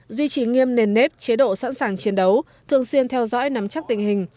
duy trì nghiêm nền nếp chế độ sẵn sàng chiến đấu thường xuyên theo dõi nắm chắc tình hình